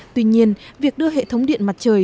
tuy nhiên việc đưa hệ thống điện mặt trời